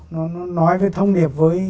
nó nói cái thông điệp với